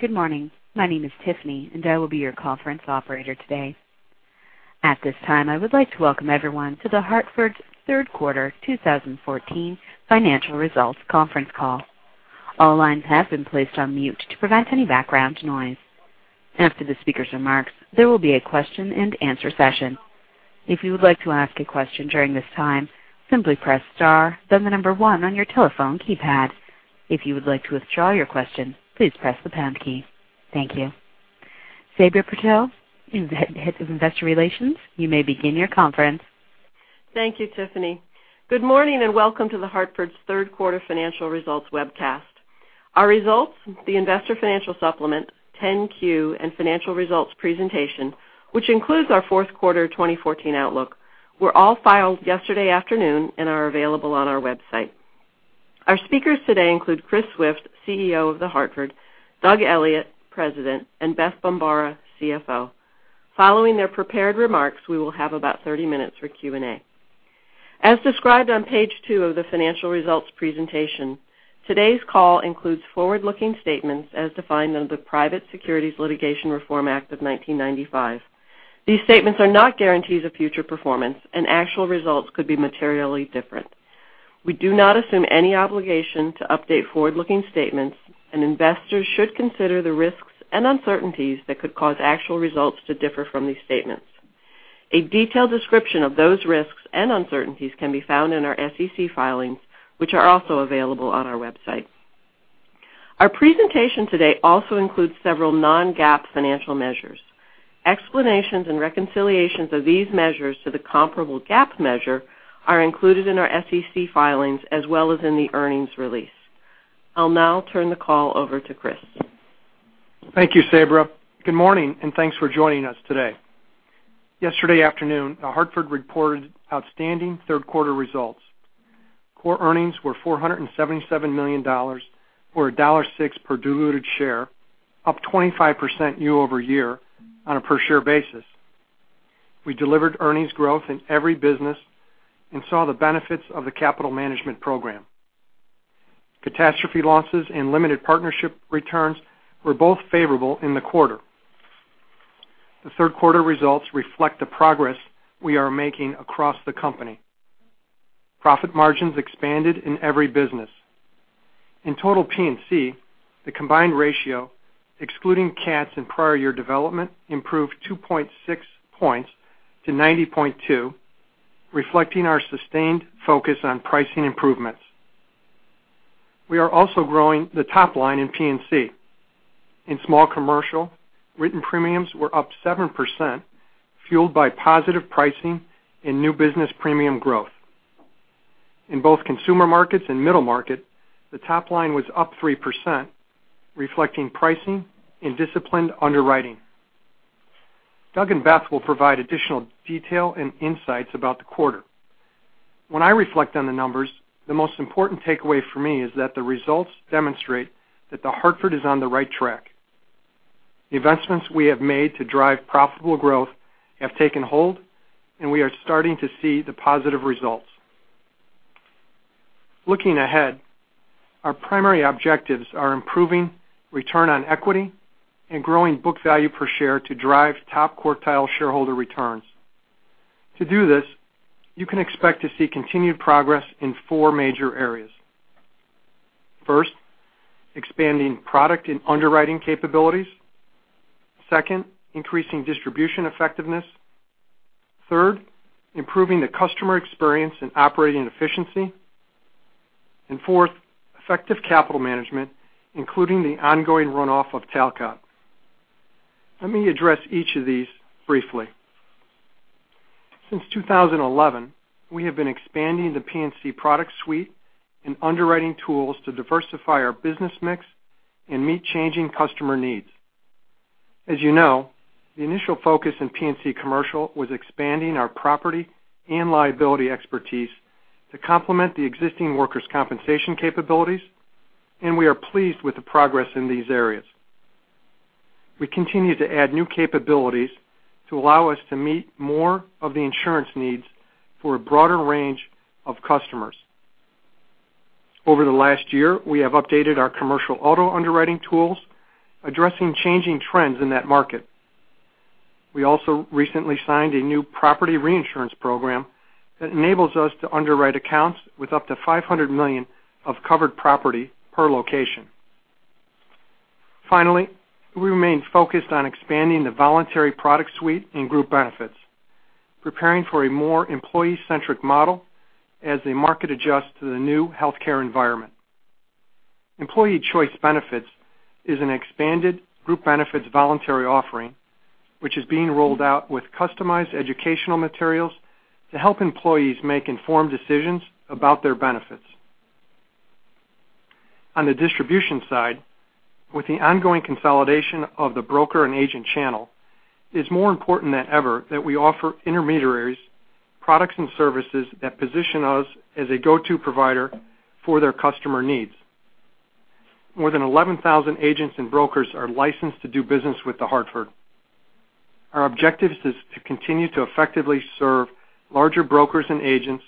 Good morning. My name is Tiffany, and I will be your conference operator today. At this time, I would like to welcome everyone to The Hartford's Third Quarter 2014 financial results conference call. All lines have been placed on mute to prevent any background noise. After the speaker's remarks, there will be a question and answer session. If you would like to ask a question during this time, simply press star then the number one on your telephone keypad. If you would like to withdraw your question, please press the pound key. Thank you. Sabra Purtill, the Head of Investor Relations, you may begin your conference. Thank you, Tiffany. Good morning, and welcome to The Hartford's third quarter financial results webcast. Our results, the investor financial supplement, 10-Q, and financial results presentation, which includes our fourth quarter 2014 outlook, were all filed yesterday afternoon and are available on our website. Our speakers today include Chris Swift, CEO of The Hartford; Doug Elliot, President; and Beth Bombara, CFO. Following their prepared remarks, we will have about 30 minutes for Q&A. As described on page two of the financial results presentation, today's call includes forward-looking statements as defined under the Private Securities Litigation Reform Act of 1995. These statements are not guarantees of future performance, and actual results could be materially different. We do not assume any obligation to update forward-looking statements, and investors should consider the risks and uncertainties that could cause actual results to differ from these statements. A detailed description of those risks and uncertainties can be found in our SEC filings, which are also available on our website. Our presentation today also includes several non-GAAP financial measures. Explanations and reconciliations of these measures to the comparable GAAP measure are included in our SEC filings as well as in the earnings release. I'll now turn the call over to Chris. Thank you, Sabra. Good morning, and thanks for joining us today. Yesterday afternoon, The Hartford reported outstanding third-quarter results. Core earnings were $477 million, or $1.06 per diluted share, up 25% year-over-year on a per-share basis. We delivered earnings growth in every business and saw the benefits of the capital management program. Catastrophe losses and limited partnership returns were both favorable in the quarter. The third-quarter results reflect the progress we are making across the company. Profit margins expanded in every business. In total P&C, the combined ratio, excluding cats and prior year development, improved 2.6 points to 90.2, reflecting our sustained focus on pricing improvements. We are also growing the top line in P&C. In small commercial, written premiums were up 7%, fueled by positive pricing and new business premium growth. In both consumer markets and middle market, the top line was up 3%, reflecting pricing and disciplined underwriting. Doug and Beth Bombara will provide additional detail and insights about the quarter. When I reflect on the numbers, the most important takeaway for me is that the results demonstrate that The Hartford is on the right track. The investments we have made to drive profitable growth have taken hold, and we are starting to see the positive results. Looking ahead, our primary objectives are improving return on equity and growing book value per share to drive top-quartile shareholder returns. To do this, you can expect to see continued progress in four major areas. First, expanding product and underwriting capabilities. Second, increasing distribution effectiveness. Third, improving the customer experience and operating efficiency. Fourth, effective capital management, including the ongoing runoff of Talcott. Let me address each of these briefly. Since 2011, we have been expanding the P&C product suite and underwriting tools to diversify our business mix and meet changing customer needs. As you know, the initial focus in P&C Commercial was expanding our property and liability expertise to complement the existing workers' compensation capabilities. We are pleased with the progress in these areas. We continue to add new capabilities to allow us to meet more of the insurance needs for a broader range of customers. Over the last year, we have updated our commercial auto underwriting tools, addressing changing trends in that market. We also recently signed a new property reinsurance program that enables us to underwrite accounts with up to $500 million of covered property per location. We remain focused on expanding the voluntary product suite in Group Benefits, preparing for a more employee-centric model as the market adjusts to the new healthcare environment. Employee Choice Benefits is an expanded Group Benefits voluntary offering, which is being rolled out with customized educational materials to help employees make informed decisions about their benefits. On the distribution side, with the ongoing consolidation of the broker and agent channel, it's more important than ever that we offer intermediaries products and services that position us as a go-to provider for their customer needs. More than 11,000 agents and brokers are licensed to do business with The Hartford. Our objective is to continue to effectively serve larger brokers and agents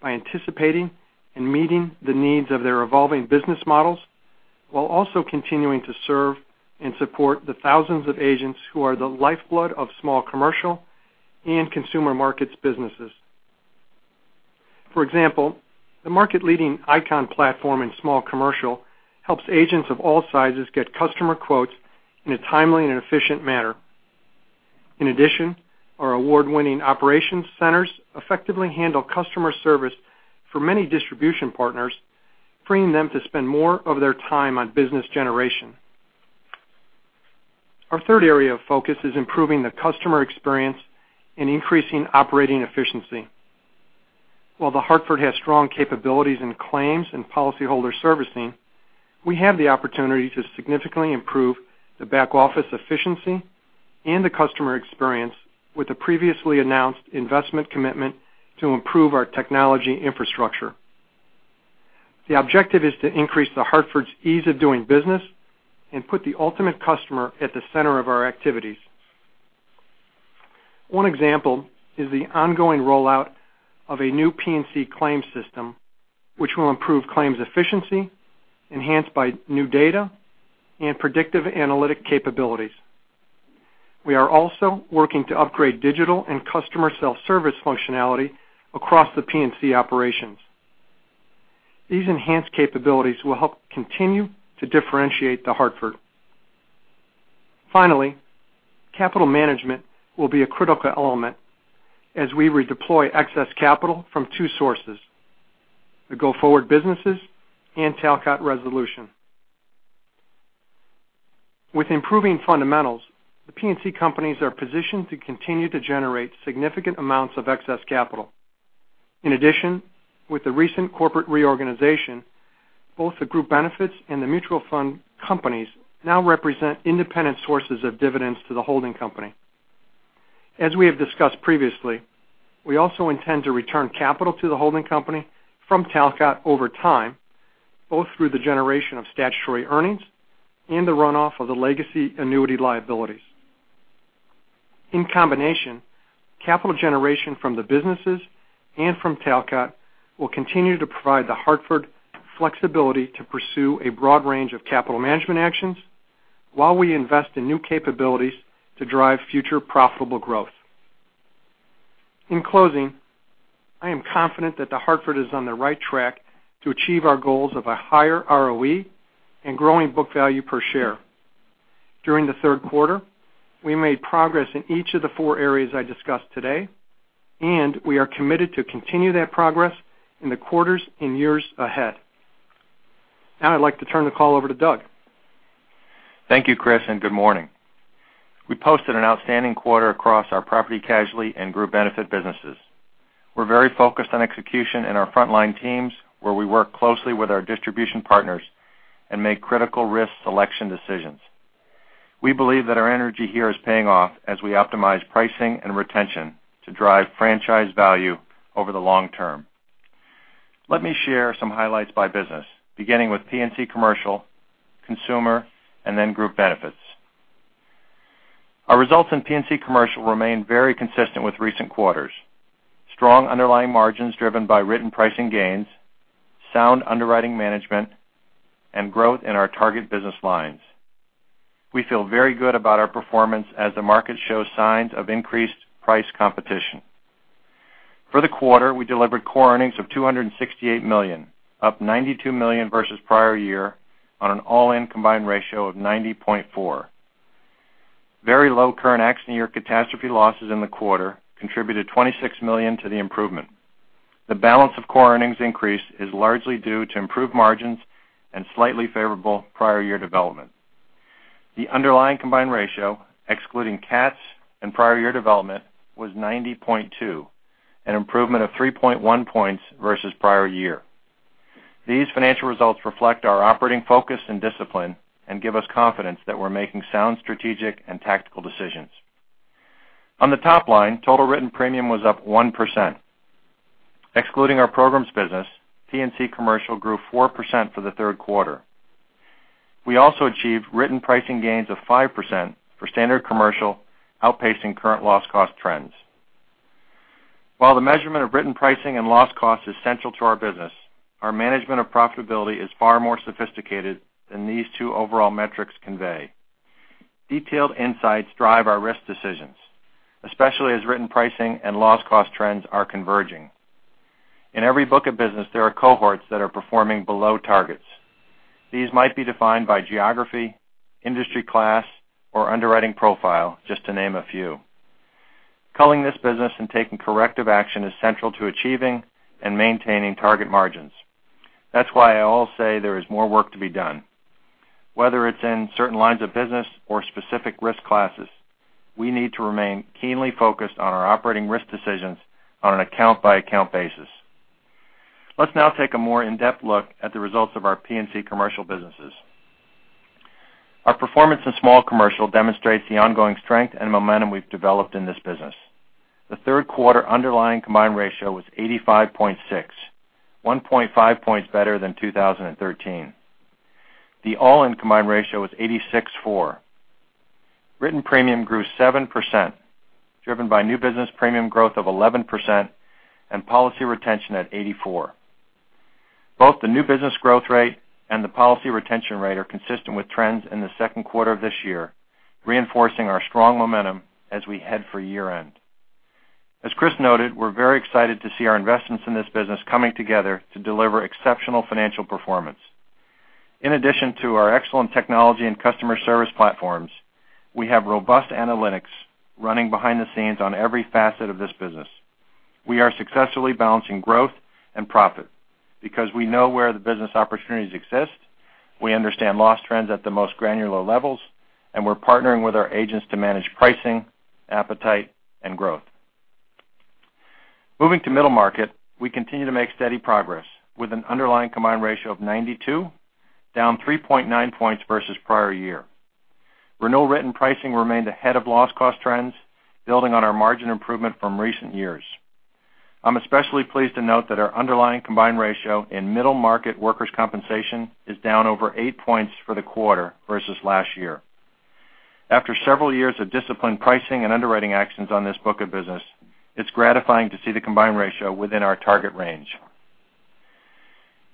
by anticipating and meeting the needs of their evolving business models, while also continuing to serve and support the thousands of agents who are the lifeblood of small commercial and consumer markets businesses. For example, the market-leading ICON platform in small commercial helps agents of all sizes get customer quotes in a timely and efficient manner. Our award-winning operations centers effectively handle customer service for many distribution partners, freeing them to spend more of their time on business generation. Our third area of focus is improving the customer experience and increasing operating efficiency. While The Hartford has strong capabilities in claims and policyholder servicing, we have the opportunity to significantly improve the back-office efficiency and the customer experience with the previously announced investment commitment to improve our technology infrastructure. The objective is to increase The Hartford's ease of doing business and put the ultimate customer at the center of our activities. One example is the ongoing rollout of a new P&C claims system, which will improve claims efficiency enhanced by new data and predictive analytic capabilities. We are also working to upgrade digital and customer self-service functionality across the P&C operations. These enhanced capabilities will help continue to differentiate The Hartford. Finally, capital management will be a critical element as we redeploy excess capital from two sources, the go-forward businesses and Talcott Resolution. With improving fundamentals, the P&C companies are positioned to continue to generate significant amounts of excess capital. In addition, with the recent corporate reorganization, both the Group Benefits and the Mutual Fund companies now represent independent sources of dividends to the holding company. As we have discussed previously, we also intend to return capital to the holding company from Talcott over time, both through the generation of statutory earnings and the runoff of the legacy annuity liabilities. In combination, capital generation from the businesses and from Talcott will continue to provide The Hartford flexibility to pursue a broad range of capital management actions while we invest in new capabilities to drive future profitable growth. In closing, I am confident that The Hartford is on the right track to achieve our goals of a higher ROE and growing book value per share. During the third quarter, we made progress in each of the four areas I discussed today, and we are committed to continue that progress in the quarters and years ahead. Now I would like to turn the call over to Doug. Thank you, Chris, and good morning. We posted an outstanding quarter across our property casualty and group benefit businesses. We are very focused on execution in our frontline teams, where we work closely with our distribution partners and make critical risk selection decisions. We believe that our energy here is paying off as we optimize pricing and retention to drive franchise value over the long term. Let me share some highlights by business, beginning with P&C Commercial, Consumer, and Group Benefits. Our results in P&C Commercial remain very consistent with recent quarters. Strong underlying margins driven by written pricing gains, sound underwriting management, and growth in our target business lines. We feel very good about our performance as the market shows signs of increased price competition. For the quarter, we delivered core earnings of $268 million, up $92 million versus prior year on an all-in combined ratio of 90.4. Very low current accident year catastrophe losses in the quarter contributed $26 million to the improvement. The balance of core earnings increase is largely due to improved margins and slightly favorable prior year development. The underlying combined ratio, excluding CATs and prior year development, was 90.2, an improvement of 3.1 points versus prior year. These financial results reflect our operating focus and discipline and give us confidence that we are making sound strategic and tactical decisions. On the top line, total written premium was up 1%. Excluding our programs business, P&C Commercial grew 4% for the third quarter. We also achieved written pricing gains of 5% for standard commercial, outpacing current loss cost trends. While the measurement of written pricing and loss cost is central to our business, our management of profitability is far more sophisticated than these two overall metrics convey. Detailed insights drive our risk decisions, especially as written pricing and loss cost trends are converging. In every book of business, there are cohorts that are performing below targets. These might be defined by geography, industry class, or underwriting profile, just to name a few. Culling this business and taking corrective action is central to achieving and maintaining target margins. That's why I'll say there is more work to be done. Whether it's in certain lines of business or specific risk classes, we need to remain keenly focused on our operating risk decisions on an account-by-account basis. Let's now take a more in-depth look at the results of our P&C Commercial businesses. Our performance in small commercial demonstrates the ongoing strength and momentum we've developed in this business. The third quarter underlying combined ratio was 85.6, 1.5 points better than 2013. The all-in combined ratio was 86.4. Written premium grew 7%, driven by new business premium growth of 11% and policy retention at 84. Both the new business growth rate and the policy retention rate are consistent with trends in the second quarter of this year, reinforcing our strong momentum as we head for year-end. As Chris noted, we're very excited to see our investments in this business coming together to deliver exceptional financial performance. In addition to our excellent technology and customer service platforms, we have robust analytics running behind the scenes on every facet of this business. We are successfully balancing growth and profit because we know where the business opportunities exist, we understand loss trends at the most granular levels, and we're partnering with our agents to manage pricing, appetite, and growth. Moving to middle market, we continue to make steady progress with an underlying combined ratio of 92, down 3.9 points versus prior year. Renewal written pricing remained ahead of loss cost trends, building on our margin improvement from recent years. I'm especially pleased to note that our underlying combined ratio in middle market workers' compensation is down over eight points for the quarter versus last year. After several years of disciplined pricing and underwriting actions on this book of business, it's gratifying to see the combined ratio within our target range.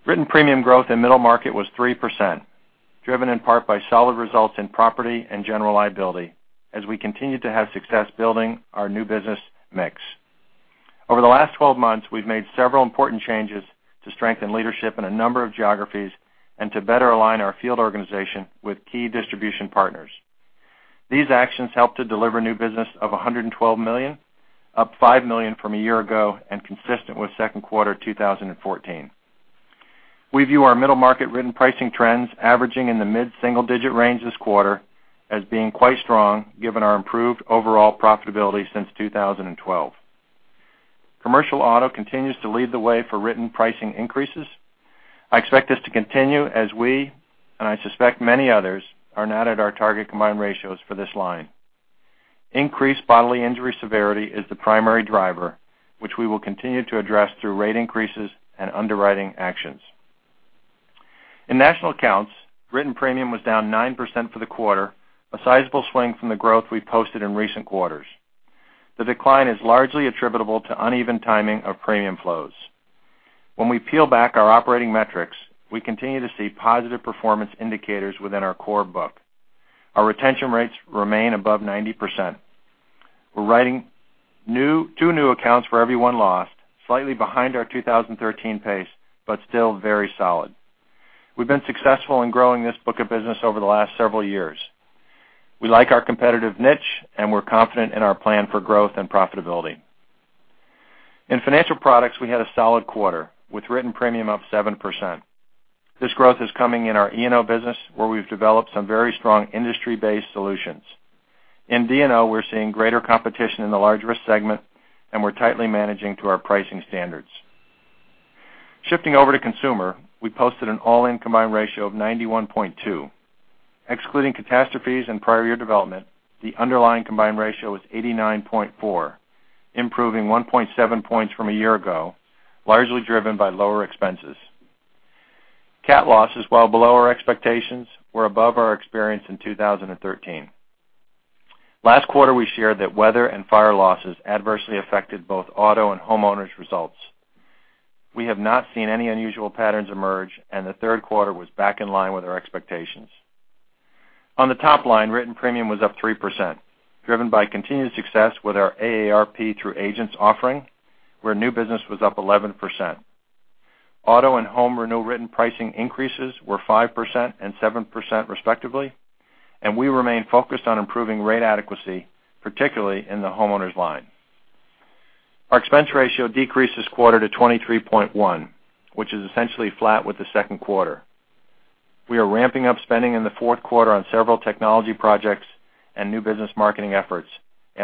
Written premium growth in middle market was 3%, driven in part by solid results in property and general liability as we continue to have success building our new business mix. Over the last 12 months, we've made several important changes to strengthen leadership in a number of geographies and to better align our field organization with key distribution partners. These actions help to deliver new business of $112 million, up $5 million from a year ago and consistent with second quarter 2014. We view our middle market written pricing trends averaging in the mid-single-digit range this quarter as being quite strong given our improved overall profitability since 2012. Commercial auto continues to lead the way for written pricing increases. I expect this to continue as we, and I suspect many others, are not at our target combined ratios for this line. Increased bodily injury severity is the primary driver, which we will continue to address through rate increases and underwriting actions. In national accounts, written premium was down 9% for the quarter, a sizable swing from the growth we've posted in recent quarters. The decline is largely attributable to uneven timing of premium flows. When we peel back our operating metrics, we continue to see positive performance indicators within our core book. Our retention rates remain above 90%. We're writing two new accounts for every one loss, slightly behind our 2013 pace, but still very solid. We've been successful in growing this book of business over the last several years. We like our competitive niche, and we're confident in our plan for growth and profitability. In financial products, we had a solid quarter, with written premium up 7%. This growth is coming in our E&O business, where we've developed some very strong industry-based solutions. In D&O, we're seeing greater competition in the large risk segment, and we're tightly managing to our pricing standards. Shifting over to consumer, we posted an all-in combined ratio of 91.2. Excluding catastrophes and prior year development, the underlying combined ratio was 89.4, improving 1.7 points from a year ago, largely driven by lower expenses. Cat losses, while below our expectations, were above our experience in 2013. Last quarter, we shared that weather and fire losses adversely affected both auto and homeowners' results. We have not seen any unusual patterns emerge, and the third quarter was back in line with our expectations. On the top line, written premium was up 3%, driven by continued success with our AARP Through Agents offering, where new business was up 11%. Auto and home renewal written pricing increases were 5% and 7% respectively, and we remain focused on improving rate adequacy, particularly in the homeowners line. Our expense ratio decreased this quarter to 23.1, which is essentially flat with the second quarter. We are ramping up spending in the fourth quarter on several technology projects and new business marketing efforts,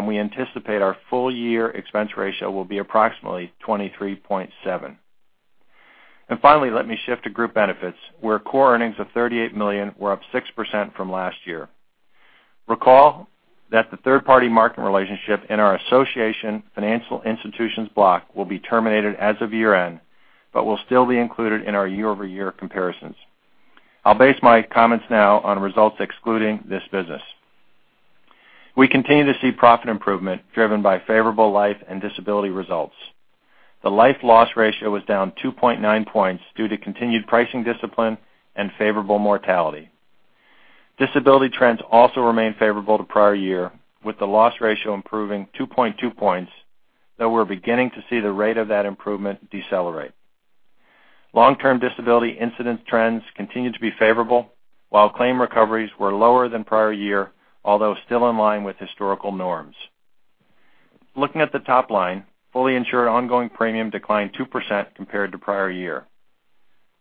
we anticipate our full year expense ratio will be approximately 23.7. Finally, let me shift to Group Benefits, where core earnings of $38 million were up 6% from last year. Recall that the third-party market relationship in our association financial institutions block will be terminated as of year-end but will still be included in our year-over-year comparisons. I'll base my comments now on results excluding this business. We continue to see profit improvement driven by favorable life and disability results. The life loss ratio was down 2.9 points due to continued pricing discipline and favorable mortality. Disability trends also remain favorable to prior year, with the loss ratio improving 2.2 points, though we're beginning to see the rate of that improvement decelerate. Long-term disability incident trends continue to be favorable, while claim recoveries were lower than prior year, although still in line with historical norms. Looking at the top line, fully insured ongoing premium declined 2% compared to prior year.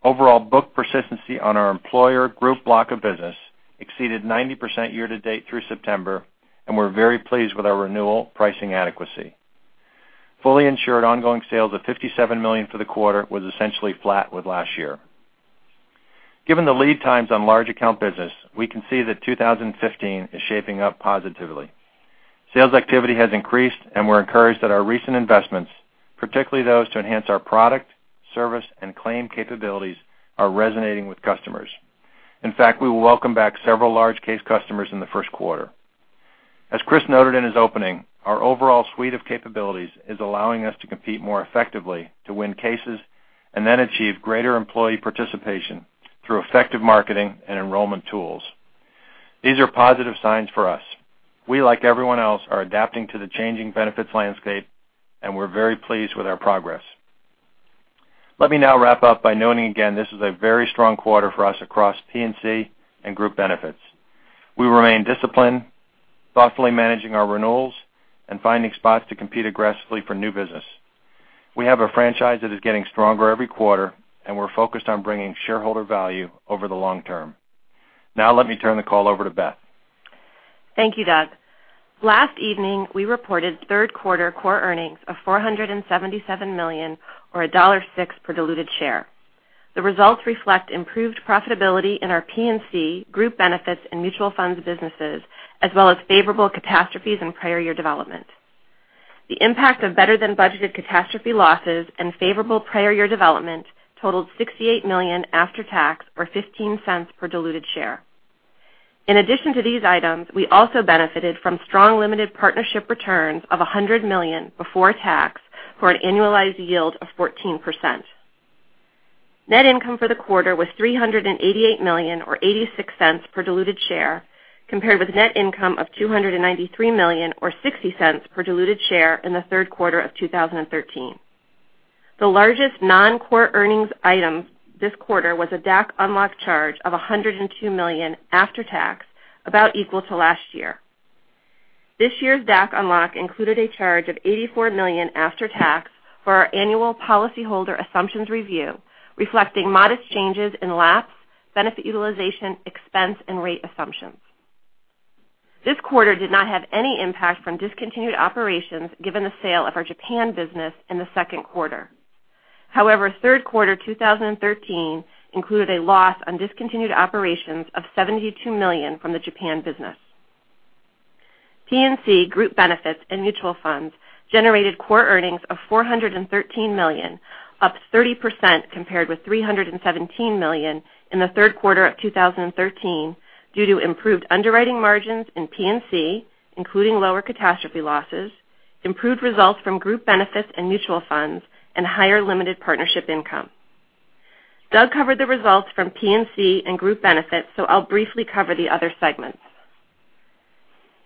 Overall book persistency on our employer group block of business exceeded 90% year to date through September, and we're very pleased with our renewal pricing adequacy. Fully insured ongoing sales of $57 million for the quarter was essentially flat with last year. Given the lead times on large account business, we can see that 2015 is shaping up positively. Sales activity has increased, and we're encouraged that our recent investments, particularly those to enhance our product, service, and claim capabilities, are resonating with customers. In fact, we will welcome back several large case customers in the first quarter. As Chris noted in his opening, our overall suite of capabilities is allowing us to compete more effectively to win cases and then achieve greater employee participation through effective marketing and enrollment tools. These are positive signs for us. We, like everyone else, are adapting to the changing benefits landscape, and we're very pleased with our progress. Let me now wrap up by noting again, this is a very strong quarter for us across P&C and Group Benefits. We remain disciplined, thoughtfully managing our renewals and finding spots to compete aggressively for new business. We have a franchise that is getting stronger every quarter, and we're focused on bringing shareholder value over the long term. Now let me turn the call over to Beth. Thank you, Doug. Last evening, we reported third quarter core earnings of $477 million, or $1.06 per diluted share. The results reflect improved profitability in our P&C, Group Benefits, and Hartford Funds businesses, as well as favorable catastrophes in prior year development. The impact of better-than-budgeted catastrophe losses and favorable prior year development totaled $68 million after tax, or $0.15 per diluted share. In addition to these items, we also benefited from strong limited partnership returns of $100 million before tax, for an annualized yield of 14%. Net income for the quarter was $388 million or $0.86 per diluted share, compared with net income of $293 million or $0.60 per diluted share in the third quarter of 2013. The largest non-core earnings item this quarter was a DAC unlock charge of $102 million after tax, about equal to last year. This year's DAC unlock included a charge of $84 million after tax for our annual policyholder assumptions review, reflecting modest changes in lapse, benefit utilization, expense, and rate assumptions. This quarter did not have any impact from discontinued operations given the sale of our Japan business in the second quarter. However, third quarter 2013 included a loss on discontinued operations of $72 million from the Japan business. P&C, Group Benefits, and Hartford Funds generated core earnings of $413 million, up 30%, compared with $317 million in the third quarter of 2013 due to improved underwriting margins in P&C, including lower catastrophe losses, improved results from Group Benefits and Hartford Funds, and higher limited partnership income. Doug covered the results from P&C and Group Benefits, so I'll briefly cover the other segments.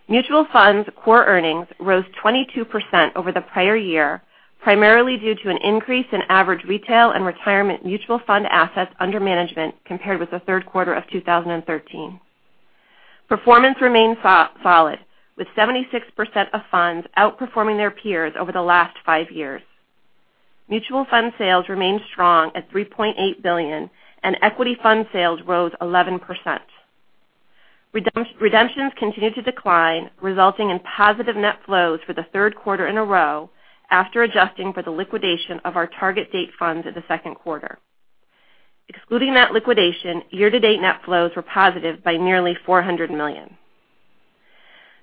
Hartford Funds core earnings rose 22% over the prior year, primarily due to an increase in average retail and retirement Hartford Funds assets under management compared with the third quarter of 2013. Performance remained solid, with 76% of funds outperforming their peers over the last five years. Hartford Funds sales remained strong at $3.8 billion, and equity fund sales rose 11%. Redemptions continued to decline, resulting in positive net flows for the third quarter in a row after adjusting for the liquidation of our target date funds in the second quarter. Excluding that liquidation, year-to-date net flows were positive by nearly $400 million.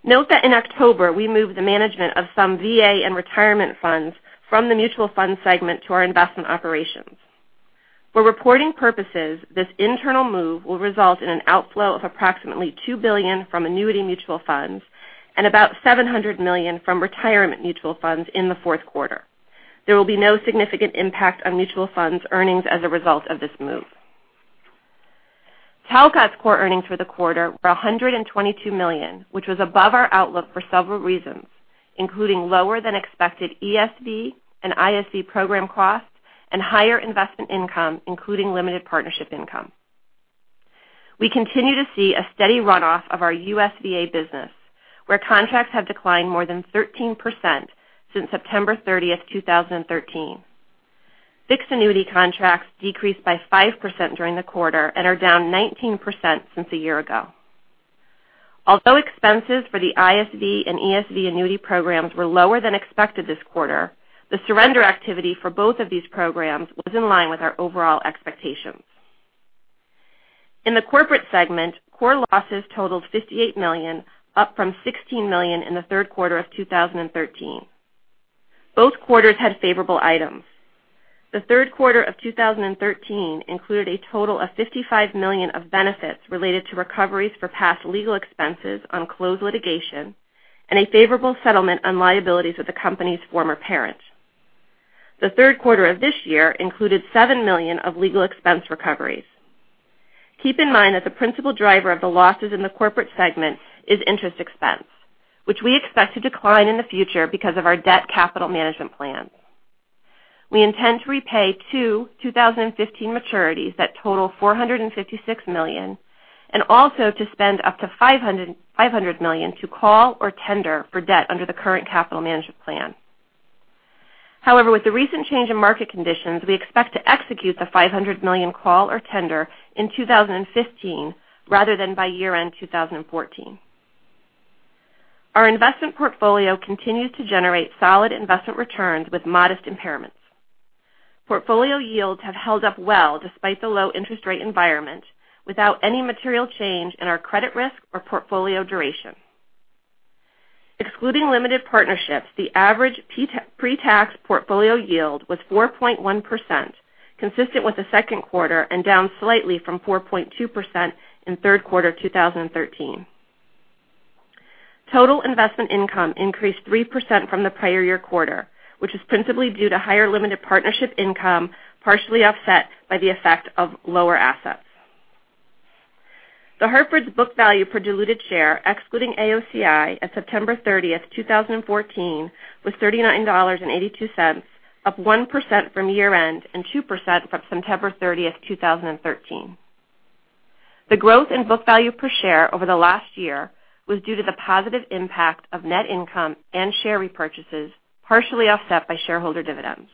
Note that in October, we moved the management of some VA and retirement funds from the Hartford Funds segment to our investment operations. For reporting purposes, this internal move will result in an outflow of approximately $2 billion from annuity mutual funds and about $700 million from retirement mutual funds in the fourth quarter. There will be no significant impact on mutual funds earnings as a result of this move. Talcott's core earnings for the quarter were $122 million, which was above our outlook for several reasons, including lower than expected ESV and ISV program costs and higher investment income, including limited partnership income. We continue to see a steady runoff of our US VA business, where contracts have declined more than 13% since September 30th, 2013. Fixed annuity contracts decreased by 5% during the quarter and are down 19% since a year ago. Although expenses for the ISV and ESV annuity programs were lower than expected this quarter, the surrender activity for both of these programs was in line with our overall expectations. In the Corporate segment, core losses totaled $58 million, up from $16 million in the third quarter of 2013. Both quarters had favorable items. The third quarter of 2013 included a total of $55 million of benefits related to recoveries for past legal expenses on closed litigation and a favorable settlement on liabilities with the company's former parents. The third quarter of this year included $7 million of legal expense recoveries. Keep in mind that the principal driver of the losses in the Corporate segment is interest expense, which we expect to decline in the future because of our debt capital management plans. We intend to repay two 2015 maturities that total $456 million and also to spend up to $500 million to call or tender for debt under the current capital management plan. With the recent change in market conditions, we expect to execute the $500 million call or tender in 2015 rather than by year-end 2014. Our investment portfolio continues to generate solid investment returns with modest impairments. Portfolio yields have held up well despite the low interest rate environment, without any material change in our credit risk or portfolio duration. Excluding limited partnerships, the average pre-tax portfolio yield was 4.1%, consistent with the second quarter and down slightly from 4.2% in third quarter 2013. Total investment income increased 3% from the prior year quarter, which is principally due to higher limited partnership income, partially offset by the effect of lower assets. The Hartford's book value per diluted share, excluding AOCI as of September 30th, 2014, was $39.82, up 1% from year-end and 2% from September 30th, 2013. The growth in book value per share over the last year was due to the positive impact of net income and share repurchases, partially offset by shareholder dividends.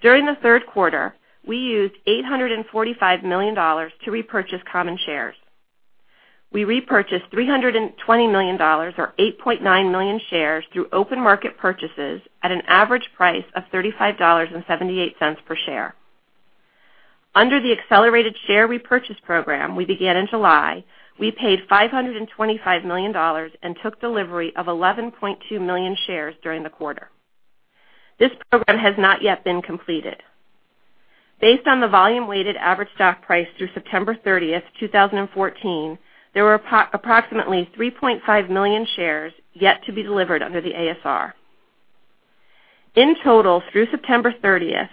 During the third quarter, we used $845 million to repurchase common shares. We repurchased $320 million, or 8.9 million shares, through open market purchases at an average price of $35.78 per share. Under the accelerated share repurchase program we began in July, we paid $525 million and took delivery of 11.2 million shares during the quarter. This program has not yet been completed. Based on the volume weighted average stock price through September 30th, 2014, there were approximately 3.5 million shares yet to be delivered under the ASR. In total, through September 30th,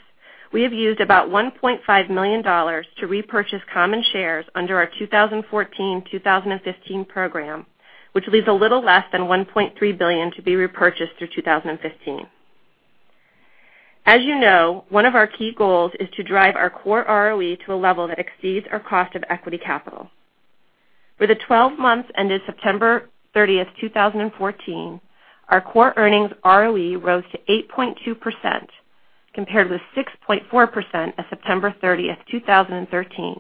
we have used about $1.5 million to repurchase common shares under our 2014-2015 program, which leaves a little less than $1.3 billion to be repurchased through 2015. As you know, one of our key goals is to drive our core ROE to a level that exceeds our cost of equity capital. For the 12 months ended September 30th, 2014, our core earnings ROE rose to 8.2%, compared with 6.4% as of September 30th, 2013,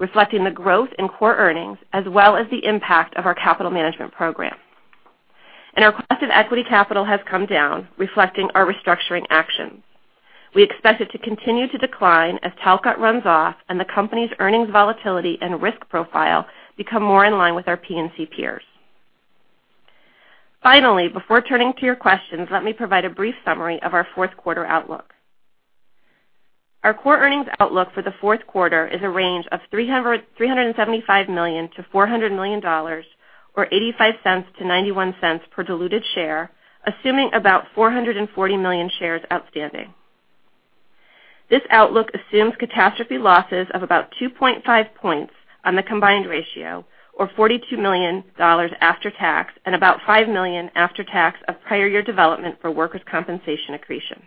reflecting the growth in core earnings, as well as the impact of our capital management program. Our cost of equity capital has come down, reflecting our restructuring actions. We expect it to continue to decline as Talcott runs off and the company's earnings volatility and risk profile become more in line with our P&C peers. Finally, before turning to your questions, let me provide a brief summary of our fourth quarter outlook. Our core earnings outlook for the fourth quarter is a range of $375 million-$400 million, or $0.85-$0.91 per diluted share, assuming about 440 million shares outstanding. This outlook assumes catastrophe losses of about 2.5 points on the combined ratio, or $42 million after tax, and about $5 million after tax of prior year development for workers' compensation accretion.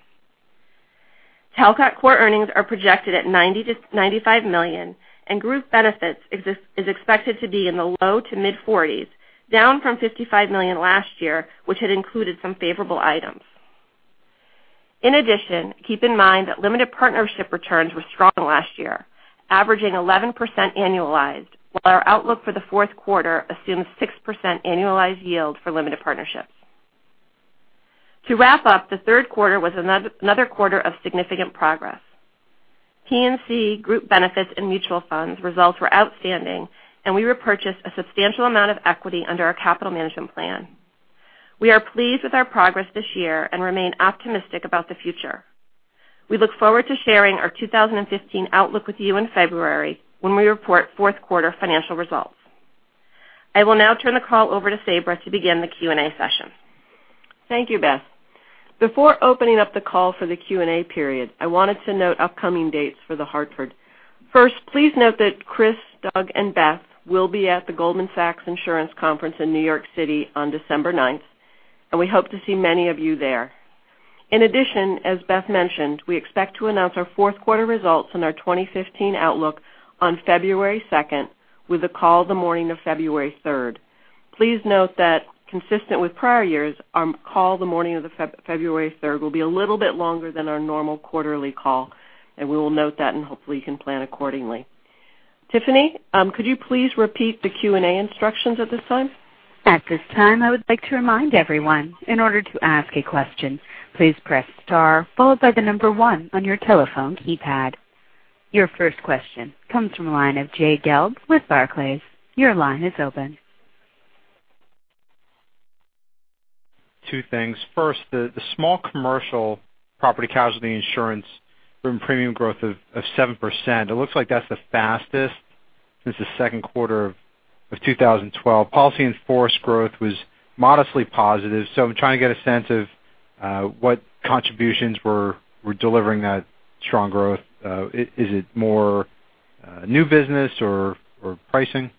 Talcott core earnings are projected at $90 million-$95 million, and Group Benefits is expected to be in the low to mid 40s, down from $55 million last year, which had included some favorable items. In addition, keep in mind that limited partnership returns were strong last year, averaging 11% annualized, while our outlook for the fourth quarter assumes 6% annualized yield for limited partnerships. To wrap up, the third quarter was another quarter of significant progress. P&C Group Benefits and mutual funds results were outstanding, and we repurchased a substantial amount of equity under our capital management plan. We are pleased with our progress this year and remain optimistic about the future. We look forward to sharing our 2015 outlook with you in February when we report fourth quarter financial results. I will now turn the call over to Sabra to begin the Q&A session. Thank you, Beth. Before opening up the call for the Q&A period, I wanted to note upcoming dates for The Hartford. First, please note that Chris, Doug, and Beth will be at the Goldman Sachs Insurance Conference in New York City on December 9th. We hope to see many of you there. In addition, as Beth mentioned, we expect to announce our fourth quarter results and our 2015 outlook on February 2nd, with a call the morning of February 3rd. Please note that consistent with prior years, our call the morning of February 3rd will be a little bit longer than our normal quarterly call. We will note that and hopefully you can plan accordingly. Tiffany, could you please repeat the Q&A instructions at this time? At this time, I would like to remind everyone, in order to ask a question, please press star followed by the number 1 on your telephone keypad. Your first question comes from the line of Jay Gelb with Barclays. Your line is open. Two things. First, the small commercial property and casualty insurance premium growth of 7%, it looks like that's the fastest since the second quarter of 2012. Policy-in-force growth was modestly positive. I'm trying to get a sense of what contributions were delivering that strong growth. Is it more new business or pricing?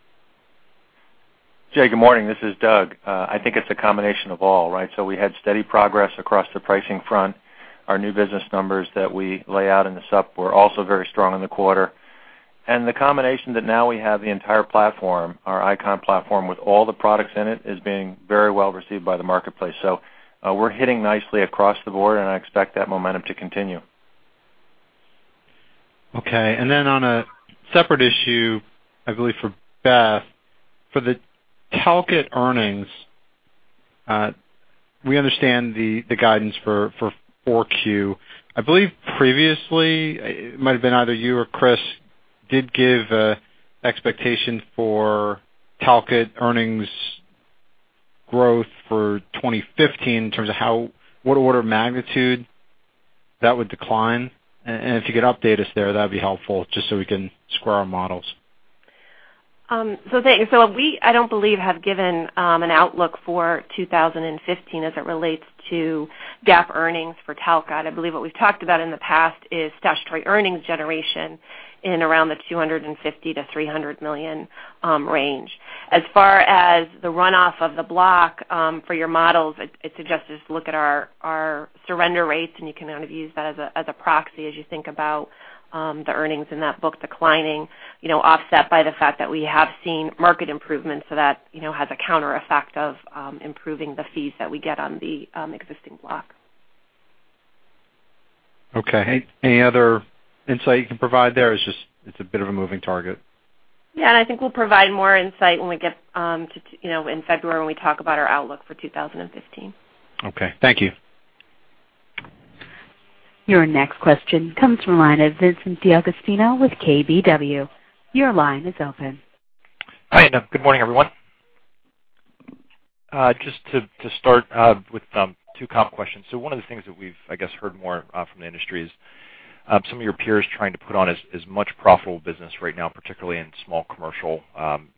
Jay, good morning. This is Doug. I think it's a combination of all, right? We had steady progress across the pricing front. Our new business numbers that we lay out in the sup were also very strong in the quarter. The combination that now we have the entire platform, our ICON platform, with all the products in it is being very well received by the marketplace. We're hitting nicely across the board, and I expect that momentum to continue. Okay. On a separate issue, I believe for Beth, for the Talcott earnings, we understand the guidance for 4Q. I believe previously it might have been either you or Chris did give expectation for Talcott earnings growth for 2015 in terms of what order of magnitude that would decline. If you could update us there, that'd be helpful, just so we can square our models. Thanks. We, I don't believe, have given an outlook for 2015 as it relates to GAAP earnings for Talcott. I believe what we've talked about in the past is statutory earnings generation in around the $250 million to $300 million range. As far as the runoff of the block for your models, I'd suggest just look at our surrender rates, and you can kind of use that as a proxy as you think about the earnings in that book declining, offset by the fact that we have seen market improvements. That has a counter effect of improving the fees that we get on the existing block. Okay. Any other insight you can provide there? It's a bit of a moving target. Yeah, I think we'll provide more insight when we get in February when we talk about our outlook for 2015. Okay. Thank you. Your next question comes from the line of Vincent DeAugustino with KBW. Your line is open. Hi, and good morning, everyone. Just to start with two comp questions. One of the things that we've, I guess, heard more from the industry is some of your peers trying to put on as much profitable business right now, particularly in small commercial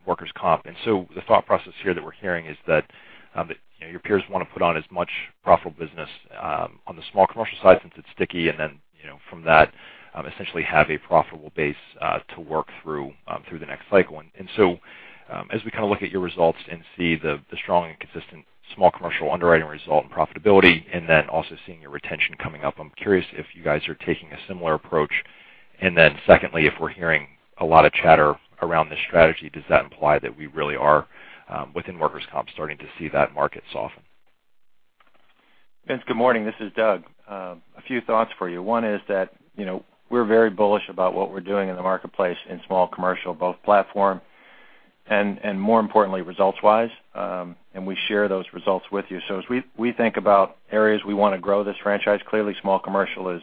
workers' comp. The thought process here that we're hearing is that your peers want to put on as much profitable business on the small commercial side since it's sticky, then from that, essentially have a profitable base to work through the next cycle. As we kind of look at your results and see the strong and consistent small commercial underwriting result and profitability, then also seeing your retention coming up, I'm curious if you guys are taking a similar approach. Secondly, if we're hearing a lot of chatter around this strategy, does that imply that we really are within workers' comp starting to see that market soften? Vince, good morning. This is Doug. A few thoughts for you. One is that we're very bullish about what we're doing in the marketplace in small commercial, both platform and more importantly, results-wise. We share those results with you. As we think about areas we want to grow this franchise, clearly small commercial is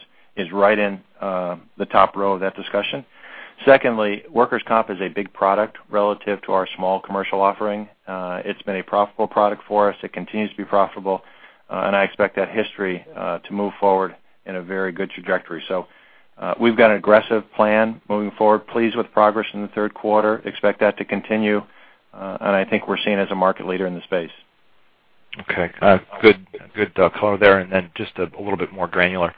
right in the top row of that discussion. Secondly, workers' comp is a big product relative to our small commercial offering. It's been a profitable product for us. It continues to be profitable. I expect that history to move forward in a very good trajectory. We've got an aggressive plan moving forward. Pleased with progress in the third quarter. Expect that to continue. I think we're seen as a market leader in the space. Okay. Good color there. Just a little bit more granular.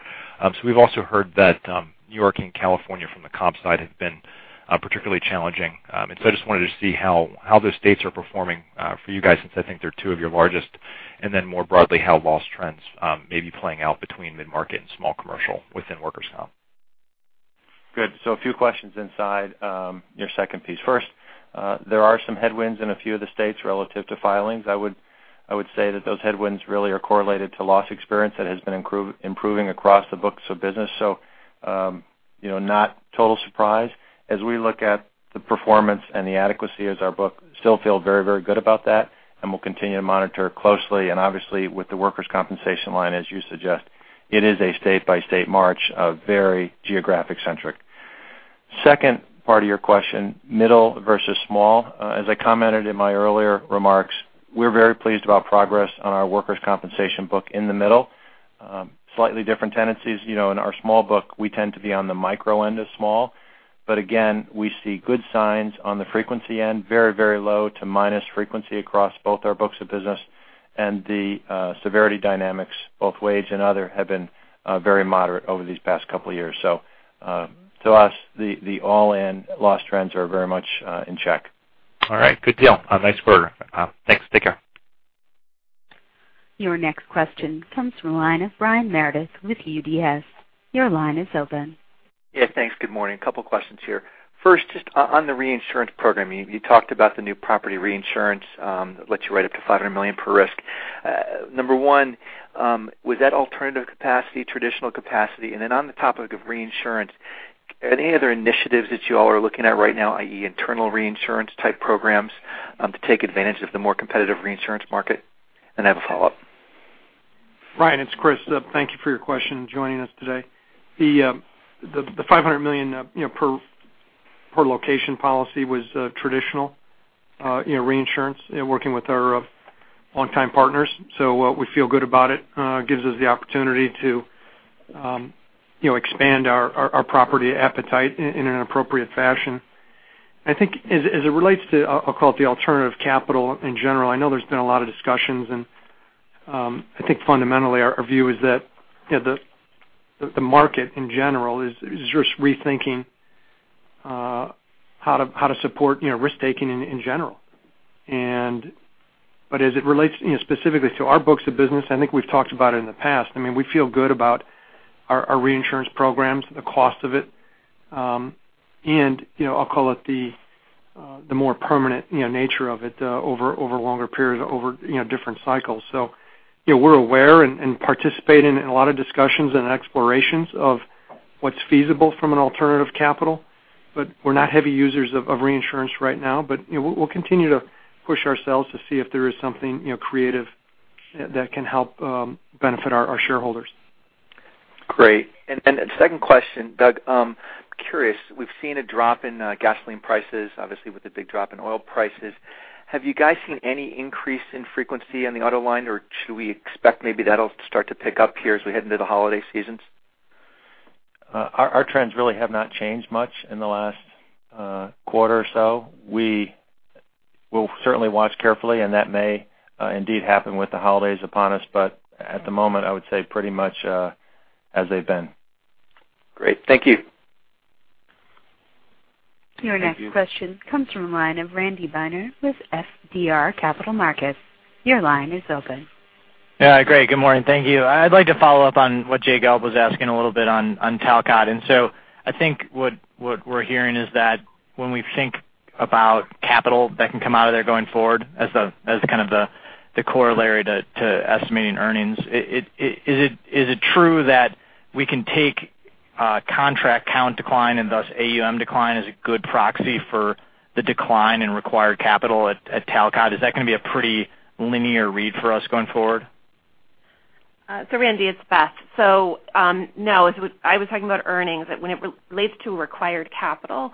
We've also heard that New York and California from the comp side have been particularly challenging. I just wanted to see how those states are performing for you guys, since I think they're two of your largest, then more broadly, how loss trends may be playing out between mid-market and small commercial within workers' comp. Good. A few questions inside your second piece. First, there are some headwinds in a few of the states relative to filings. I would say that those headwinds really are correlated to loss experience that has been improving across the books of business. Not total surprise. As we look at the performance and the adequacy as our book still feel very good about that, and we'll continue to monitor closely. Obviously with the workers' compensation line, as you suggest, it is a state-by-state march, very geographic centric. Second part of your question, middle versus small. As I commented in my earlier remarks, we're very pleased about progress on our workers' compensation book in the middle. Slightly different tendencies. In our small book, we tend to be on the micro end of small. Again, we see good signs on the frequency end, very low to minus frequency across both our books of business and the severity dynamics, both wage and other, have been very moderate over these past couple of years. To us, the all-in loss trends are very much in check. All right. Good deal. Nice quarter. Thanks. Take care. Your next question comes from the line of Brian Meredith with UBS. Your line is open. Yeah, thanks. Good morning. A couple questions here. First, just on the reinsurance program, you talked about the new property reinsurance that lets you write up to 500 million per risk. Number 1, was that alternative capacity, traditional capacity? Then on the topic of reinsurance, are there any other initiatives that you all are looking at right now, i.e., internal reinsurance type programs, to take advantage of the more competitive reinsurance market? I have a follow-up. Brian, it's Chris. Thank you for your question and joining us today. The 500 million per location policy was traditional reinsurance, working with our longtime partners. We feel good about it. Gives us the opportunity to expand our property appetite in an appropriate fashion. I think as it relates to, I'll call it the alternative capital in general, I know there's been a lot of discussions, and I think fundamentally our view is that the market in general is just rethinking how to support risk-taking in general. As it relates specifically to our books of business, I think we've talked about it in the past. I mean, we feel good about our reinsurance programs, the cost of it, and I'll call it the more permanent nature of it over longer periods, over different cycles. We're aware and participate in a lot of discussions and explorations of what's feasible from an alternative capital, but we're not heavy users of reinsurance right now. We'll continue to push ourselves to see if there is something creative that can help benefit our shareholders. Second question, Doug. Curious, we've seen a drop in gasoline prices, obviously, with the big drop in oil prices. Have you guys seen any increase in frequency in the auto line, or should we expect maybe that'll start to pick up here as we head into the holiday seasons? Our trends really have not changed much in the last quarter or so. We will certainly watch carefully, and that may indeed happen with the holidays upon us. At the moment, I would say pretty much as they've been. Great. Thank you. Your next question comes from a line of Randy Binner with FBR Capital Markets. Your line is open. Yeah, great. Good morning. Thank you. I'd like to follow up on what Jay Gelb was asking a little bit on Talcott. I think what we're hearing is that when we think about capital that can come out of there going forward, as kind of the corollary to estimating earnings. Is it true that we can take contract count decline and thus AUM decline as a good proxy for the decline in required capital at Talcott? Is that going to be a pretty linear read for us going forward? Randy, it's Beth. No. I was talking about earnings. When it relates to required capital,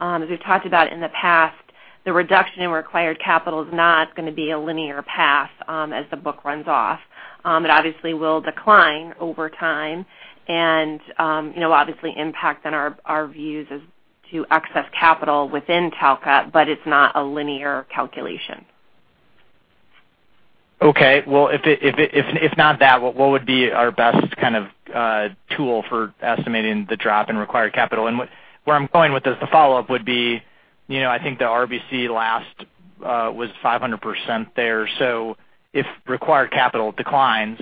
as we've talked about in the past, the reduction in required capital is not going to be a linear path as the book runs off. It obviously will decline over time and obviously impact on our views as to excess capital within Talcott, but it's not a linear calculation. Okay. If not that, what would be our best kind of tool for estimating the drop in required capital? Where I'm going with this, the follow-up would be, I think the RBC last was 500% there. If required capital declines,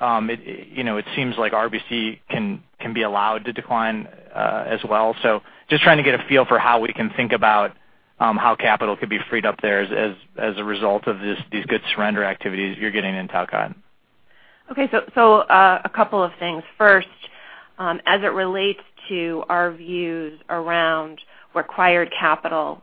it seems like RBC can be allowed to decline as well. Just trying to get a feel for how we can think about how capital could be freed up there as a result of these good surrender activities you're getting in Talcott. Okay. A couple of things. First, as it relates to our views around required capital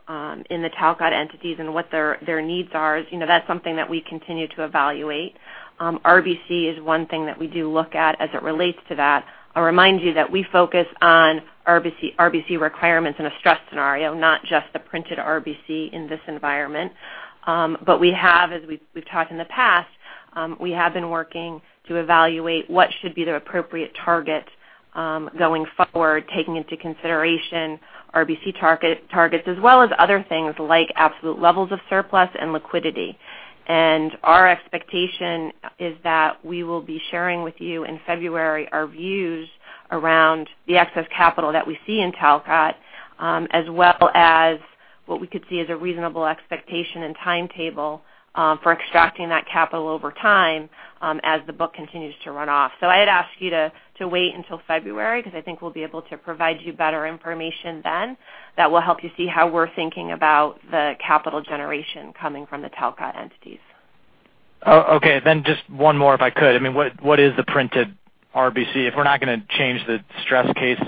in the Talcott entities and what their needs are, that's something that we continue to evaluate. RBC is one thing that we do look at as it relates to that. I'll remind you that we focus on RBC requirements in a stress scenario, not just the printed RBC in this environment. We have, as we've talked in the past, we have been working to evaluate what should be the appropriate target going forward, taking into consideration RBC targets as well as other things like absolute levels of surplus and liquidity. Our expectation is that we will be sharing with you in February our views around the excess capital that we see in Talcott, as well as what we could see as a reasonable expectation and timetable for extracting that capital over time as the book continues to run off. I'd ask you to wait until February because I think we'll be able to provide you better information then that will help you see how we're thinking about the capital generation coming from the Talcott entities. Okay, just one more, if I could. What is the printed RBC? If we're not going to change the stress case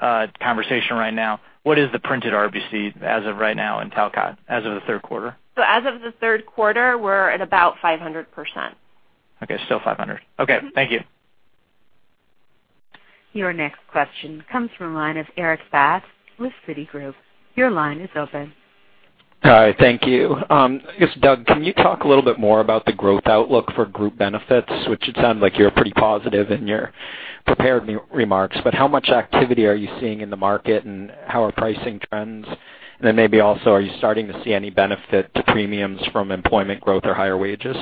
conversation right now, what is the printed RBC as of right now in Talcott as of the third quarter? As of the third quarter, we're at about 500%. Okay, still 500. Okay, thank you. Your next question comes from a line of Erik Bass with Citigroup. Your line is open. Hi, thank you. I guess, Doug, can you talk a little bit more about the growth outlook for Group Benefits, which it sounds like you're pretty positive in your prepared remarks, but how much activity are you seeing in the market, and how are pricing trends? Then maybe also, are you starting to see any benefit to premiums from employment growth or higher wages?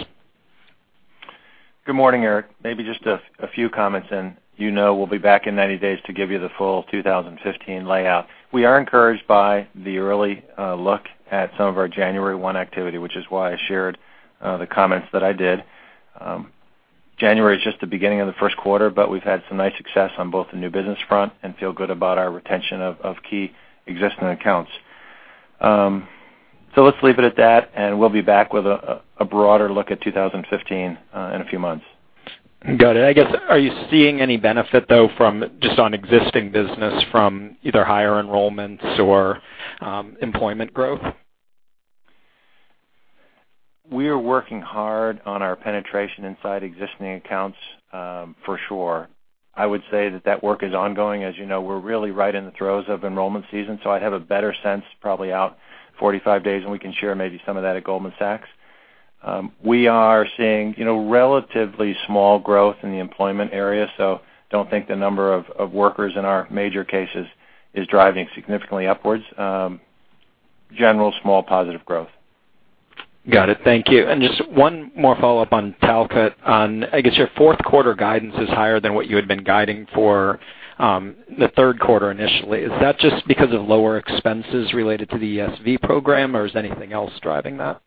Good morning, Erik. Maybe just a few comments in. You know we'll be back in 90 days to give you the full 2015 layout. We are encouraged by the early look at some of our January 1 activity, which is why I shared the comments that I did. January is just the beginning of the first quarter, but we've had some nice success on both the new business front and feel good about our retention of key existing accounts. Let's leave it at that, and we'll be back with a broader look at 2015 in a few months. Got it. I guess, are you seeing any benefit, though, from just on existing business from either higher enrollments or employment growth? We are working hard on our penetration inside existing accounts for sure. I would say that that work is ongoing. As you know, we're really right in the throes of enrollment season, so I'd have a better sense probably out 45 days, and we can share maybe some of that at Goldman Sachs. We are seeing relatively small growth in the employment area, so don't think the number of workers in our major cases is driving significantly upwards. General small positive growth. Got it. Thank you. Just one more follow-up on Talcott. I guess your fourth quarter guidance is higher than what you had been guiding for the third quarter initially. Is that just because of lower expenses related to the ESV program, or is anything else driving that?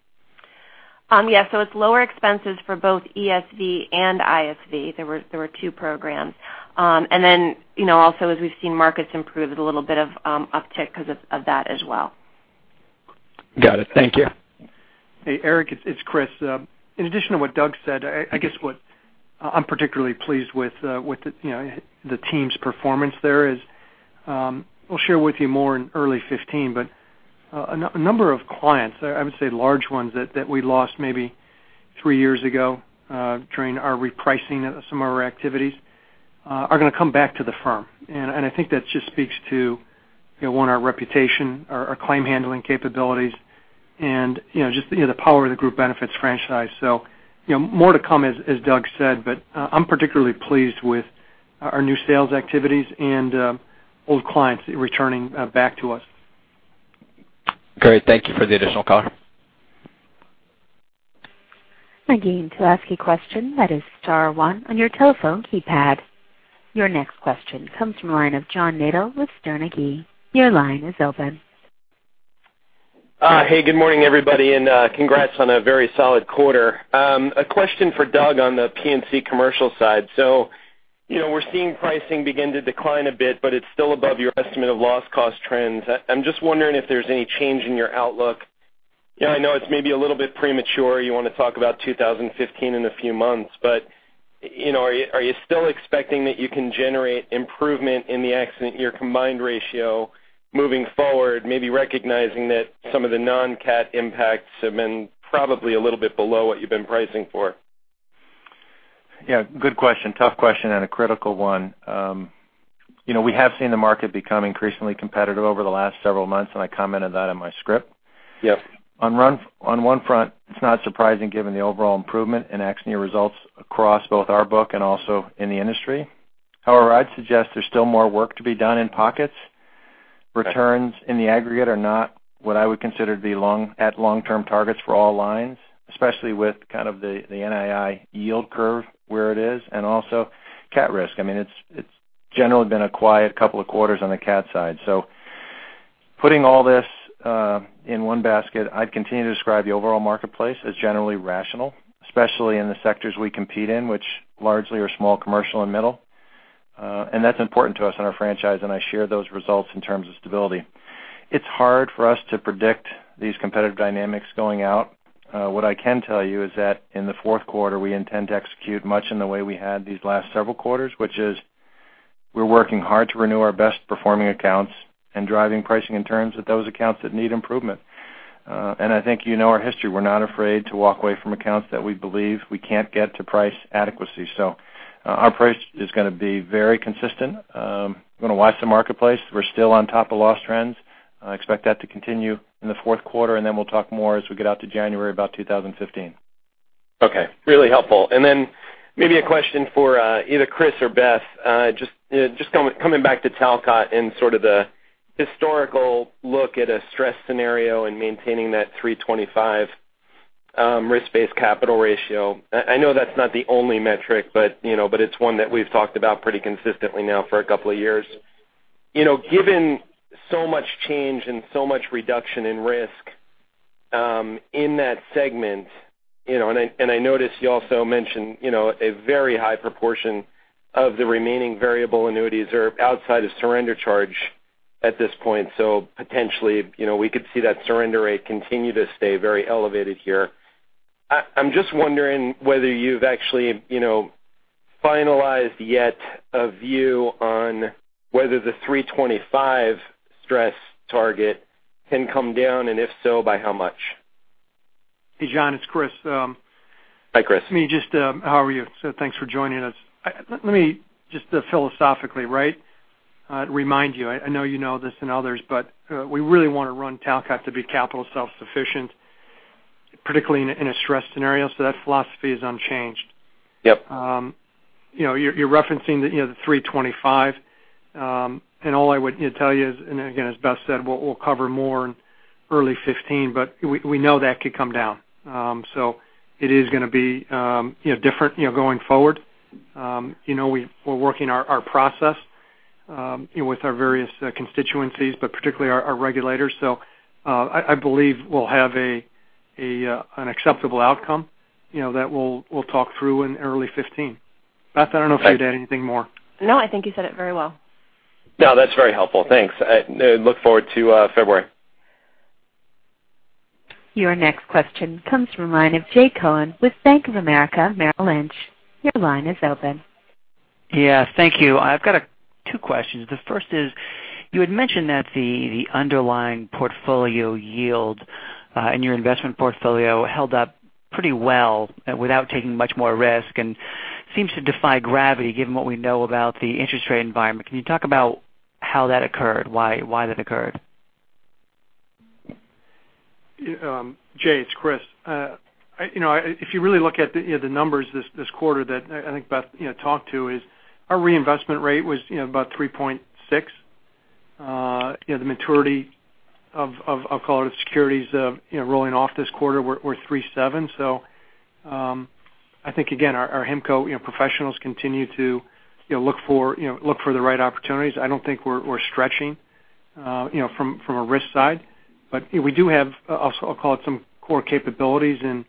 Yes. It's lower expenses for both ESV and ISV. There were two programs. Also as we've seen markets improve, there's a little bit of uptick because of that as well. Got it. Thank you. Hey, Erik, it's Chris. In addition to what Doug said, I guess what I'm particularly pleased with the team's performance there is, we'll share with you more in early 2015, but a number of clients, I would say large ones that we lost maybe three years ago during our repricing some of our activities, are going to come back to the firm. I think that just speaks to one, our reputation, our claim handling capabilities, and just the power of the Group Benefits franchise. More to come as Doug said, but I'm particularly pleased with our new sales activities and old clients returning back to us. Great. Thank you for the additional color. Again, to ask a question that is star one on your telephone keypad. Your next question comes from line of John Nadel with Sterne Agee. Your line is open. Hey, good morning, everybody, congrats on a very solid quarter. A question for Doug on the P&C Commercial side. We're seeing pricing begin to decline a bit, but it's still above your estimate of loss cost trends. I'm just wondering if there's any change in your outlook. I know it's maybe a little bit premature. You want to talk about 2015 in a few months, but are you still expecting that you can generate improvement in the accident year combined ratio moving forward, maybe recognizing that some of the non-CAT impacts have been probably a little bit below what you've been pricing for? Yeah. Good question. Tough question and a critical one. We have seen the market become increasingly competitive over the last several months, and I commented that in my script. Yes. On one front, it's not surprising given the overall improvement in accident year results across both our book and also in the industry. However, I'd suggest there's still more work to be done in pockets. Okay. Returns in the aggregate are not what I would consider to be at long-term targets for all lines, especially with kind of the NII yield curve where it is, and also cat risk. It's generally been a quiet couple of quarters on the cat side. Putting all this in one basket, I'd continue to describe the overall marketplace as generally rational, especially in the sectors we compete in, which largely are small, commercial, and middle. That's important to us in our franchise, and I share those results in terms of stability. It's hard for us to predict these competitive dynamics going out. What I can tell you is that in the fourth quarter, we intend to execute much in the way we had these last several quarters, which is we're working hard to renew our best performing accounts and driving pricing in terms of those accounts that need improvement. I think you know our history. We're not afraid to walk away from accounts that we believe we can't get to price adequacy. Our price is going to be very consistent. We're going to watch the marketplace. We're still on top of loss trends. I expect that to continue in the fourth quarter, we'll talk more as we get out to January about 2015. Okay. Really helpful. Maybe a question for either Chris or Beth, just coming back to Talcott and sort of the historical look at a stress scenario and maintaining that 325 risk-based capital ratio. I know that's not the only metric, but it's one that we've talked about pretty consistently now for a couple of years. Given so much change and so much reduction in risk in that segment, and I noticed you also mentioned a very high proportion of the remaining variable annuities are outside of surrender charge at this point, so potentially, we could see that surrender rate continue to stay very elevated here. I'm just wondering whether you've actually finalized yet a view on whether the 325 stress target can come down, and if so, by how much. Hey, John, it's Chris. Hi, Chris. How are you? Thanks for joining us. Let me just philosophically remind you, I know you know this and others, but we really want to run Talcott to be capital self-sufficient, particularly in a stress scenario. That philosophy is unchanged. Yep. You're referencing the 325. All I would tell you is, and again, as Beth said, we'll cover more in early 2015, but we know that could come down. It is going to be different going forward. We're working our process with our various constituencies, but particularly our regulators. I believe we'll have an acceptable outcome that we'll talk through in early 2015. Beth, I don't know if you'd add anything more. No, I think you said it very well. No, that's very helpful. Thanks. Look forward to February. Your next question comes from line of Jay Cohen with Bank of America Merrill Lynch. Your line is open. Yes, thank you. I've got two questions. The first is, you had mentioned that the underlying portfolio yield in your investment portfolio held up pretty well without taking much more risk and seems to defy gravity given what we know about the interest rate environment. Can you talk about how that occurred, why that occurred? Jay, it's Chris. If you really look at the numbers this quarter that I think Beth talked to is our reinvestment rate was about 3.6. The maturity of, I'll call it, securities rolling off this quarter were 3.7. I think, again, our HIMCO professionals continue to look for the right opportunities. I don't think we're stretching From a risk side. We do have, I'll call it some core capabilities in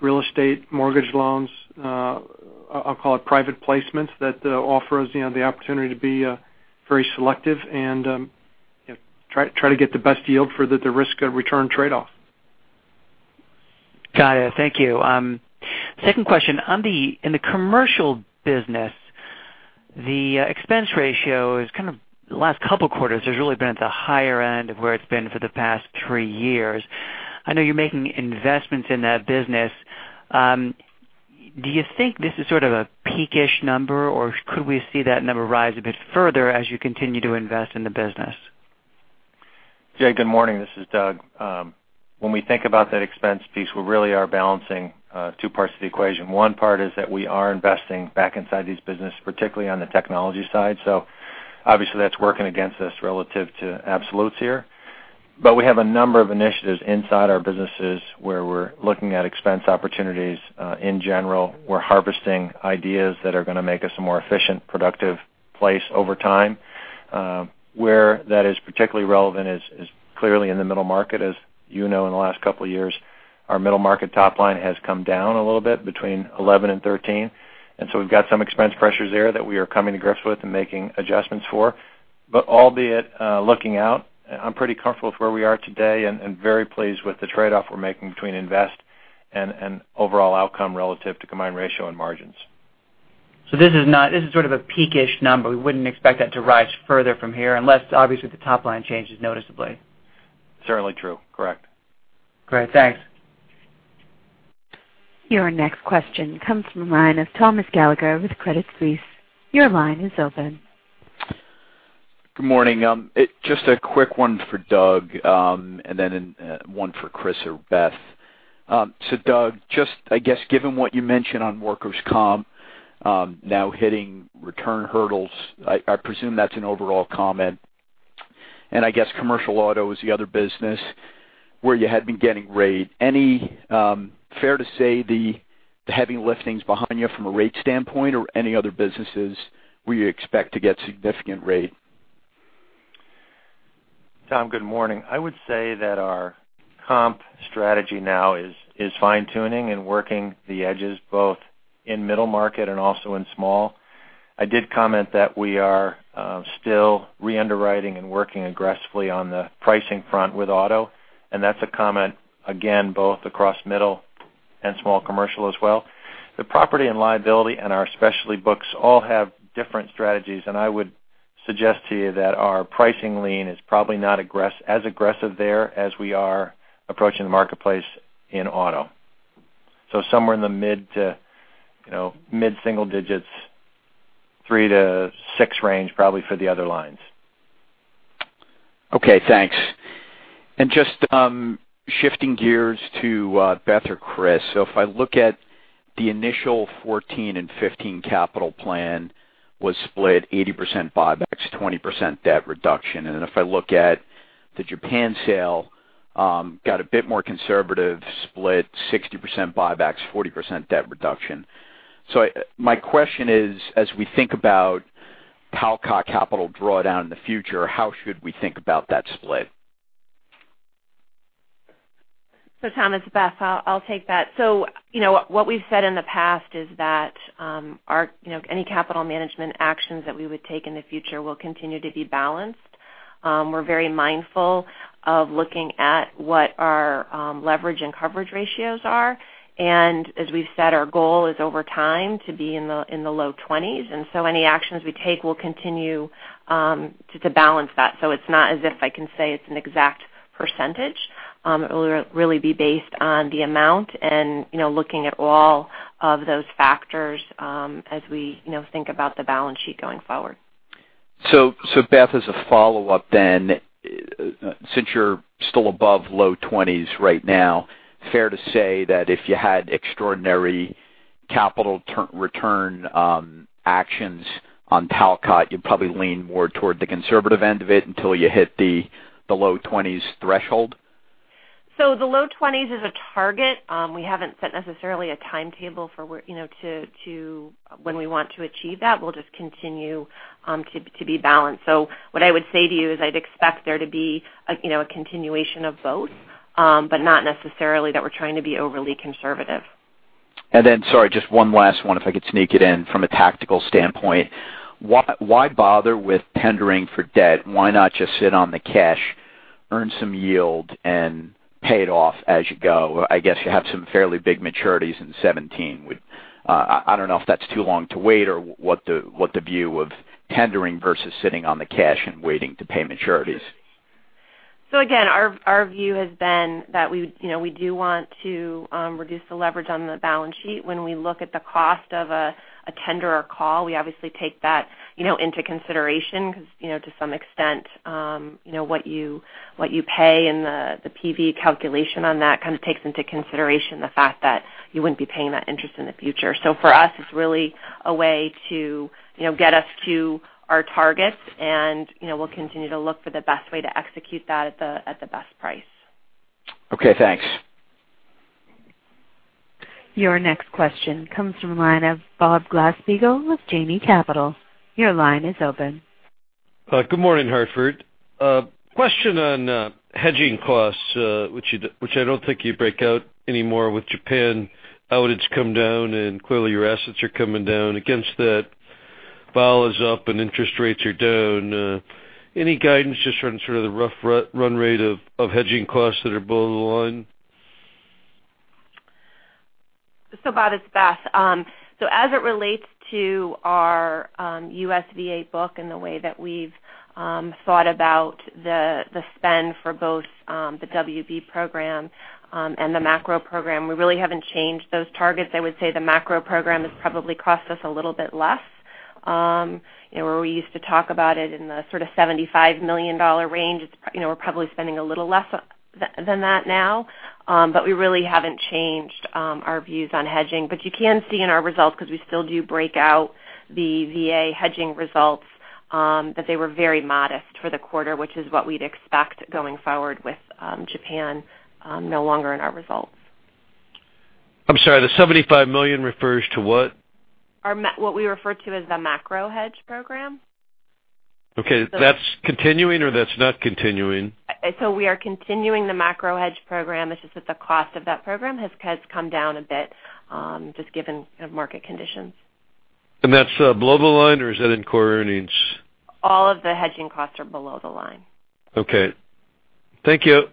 real estate mortgage loans, I'll call it private placements that offers the opportunity to be very selective and try to get the best yield for the risk of return trade-off. Got it. Thank you. Second question, in the commercial business, the expense ratio is kind of the last couple of quarters has really been at the higher end of where it's been for the past three years. I know you're making investments in that business. Do you think this is sort of a peak-ish number, or could we see that number rise a bit further as you continue to invest in the business? Jay, good morning. This is Doug. When we think about that expense piece, we really are balancing two parts of the equation. One part is that we are investing back inside these business, particularly on the technology side. Obviously that's working against us relative to absolutes here. We have a number of initiatives inside our businesses where we're looking at expense opportunities. In general, we're harvesting ideas that are going to make us a more efficient, productive place over time. Where that is particularly relevant is clearly in the middle market. As you know, in the last couple of years, our middle market top line has come down a little bit between 11 and 13. We've got some expense pressures there that we are coming to grips with and making adjustments for. Albeit looking out, I'm pretty comfortable with where we are today and very pleased with the trade-off we're making between invest and overall outcome relative to combined ratio and margins. This is sort of a peak-ish number. We wouldn't expect that to rise further from here unless obviously the top line changes noticeably. Certainly true. Correct. Great. Thanks. Your next question comes from the line of Thomas Gallagher with Credit Suisse. Your line is open. Good morning. Just a quick one for Doug, then one for Chris or Beth. Doug, just I guess given what you mentioned on workers' comp now hitting return hurdles, I presume that's an overall comment. I guess commercial auto is the other business where you had been getting rate. Fair to say the heavy lifting is behind you from a rate standpoint or any other businesses where you expect to get significant rate? Tom, good morning. I would say that our comp strategy now is fine-tuning and working the edges both in middle market and also in small. I did comment that we are still re-underwriting and working aggressively on the pricing front with auto, and that's a comment, again, both across middle and small commercial as well. The property and liability and our specialty books all have different strategies, and I would suggest to you that our pricing lean is probably not as aggressive there as we are approaching the marketplace in auto. Somewhere in the mid-single digits, 3-6 range probably for the other lines. Okay, thanks. Just shifting gears to Beth or Chris. If I look at the initial 2014 and 2015 capital plan was split 80% buybacks, 20% debt reduction. Then if I look at the Japan sale, got a bit more conservative split, 60% buybacks, 40% debt reduction. My question is, as we think about Talcott capital drawdown in the future, how should we think about that split? Tom, it's Beth. I'll take that. What we've said in the past is that any capital management actions that we would take in the future will continue to be balanced. We're very mindful of looking at what our leverage and coverage ratios are. As we've said, our goal is over time to be in the low 20s. Any actions we take will continue to balance that. It's not as if I can say it's an exact percentage. It will really be based on the amount and looking at all of those factors as we think about the balance sheet going forward. Beth, as a follow-up, since you're still above low 20s right now, fair to say that if you had extraordinary capital return actions on Talcott, you'd probably lean more toward the conservative end of it until you hit the low 20s threshold? The low 20s is a target. We haven't set necessarily a timetable for when we want to achieve that. We'll just continue to be balanced. What I would say to you is I'd expect there to be a continuation of both, but not necessarily that we're trying to be overly conservative. Sorry, just one last one if I could sneak it in from a tactical standpoint. Why bother with tendering for debt? Why not just sit on the cash, earn some yield, and pay it off as you go? I guess you have some fairly big maturities in 2017. I don't know if that's too long to wait or what the view of tendering versus sitting on the cash and waiting to pay maturities. Again, our view has been that we do want to reduce the leverage on the balance sheet. When we look at the cost of a tender or call, we obviously take that into consideration because, to some extent what you pay and the PV calculation on that kind of takes into consideration the fact that you wouldn't be paying that interest in the future. For us, it's really a way to get us to our targets, and we'll continue to look for the best way to execute that at the best price. Okay, thanks. Your next question comes from the line of Bob Glasspiegel with Janney Capital Markets. Your line is open. Good morning, Hartford. A question on hedging costs, which I don't think you break out anymore with Japan. Outage come down, and clearly your assets are coming down against that. Vol is up and interest rates are down. Any guidance just on sort of the rough run rate of hedging costs that are below the line? Bob, it's Beth. As it relates to our US VA book and the way that we've thought about the spend for both the WV program and the Macro Program, we really haven't changed those targets. I would say the Macro Program has probably cost us a little bit less. Where we used to talk about it in the sort of $75 million range, we're probably spending a little less than that now. We really haven't changed our views on hedging. You can see in our results because we still do break out the VA hedging results, that they were very modest for the quarter, which is what we'd expect going forward with Japan no longer in our results. I'm sorry, the $75 million refers to what? What we refer to as the Macro Hedge Program. Okay. That's continuing or that's not continuing? We are continuing the macro hedge program. It's just that the cost of that program has come down a bit, just given market conditions. That's below the line or is that in core earnings? All of the hedging costs are below the line. Okay. Thank you.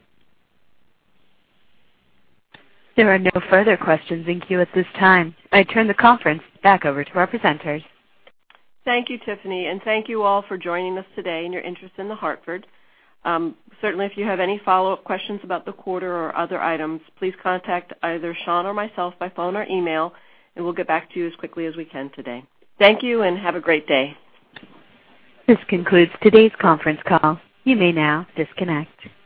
There are no further questions in queue at this time. I turn the conference back over to our presenters. Thank you, Tiffany, thank you all for joining us today and your interest in The Hartford. Certainly if you have any follow-up questions about the quarter or other items, please contact either Sean or myself by phone or email and we'll get back to you as quickly as we can today. Thank you and have a great day. This concludes today's conference call. You may now disconnect.